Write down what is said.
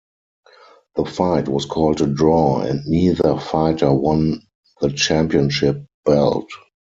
The fight was called a draw and neither fighter won the championship belt.